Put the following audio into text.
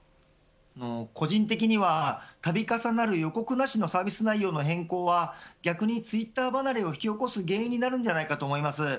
個人的には、度重なる予告なしのサービス内容の変更は逆にツイッター離れを引き起こす原因になるんじゃないかと思います。